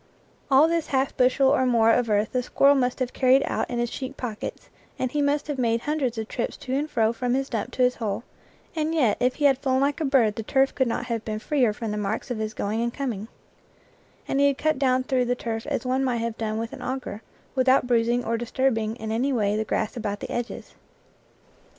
All this half bushel or more of earth the squir rel must have carried out in his cheek pockets, and he must have made hundreds of trips to and fro from his dump to his hole, and yet if he had flown like a bird the turf could not have been freer from the marks of his going and coming; and he had cut down through the turf as one might have done with an au ger, without bruising or disturbing in any way the grass about the edges.